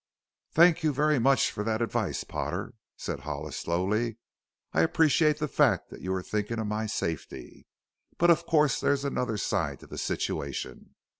"Thank you very much for that advice, Potter," said Hollis slowly. "I appreciate the fact that you are thinking of my safety. But of course there is another side to the situation.